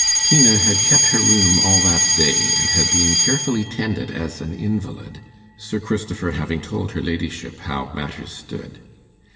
Tina had kept her room all that day, and had been carefully tended as an invalid, Sir Christopher having told her ladyship how matters stood.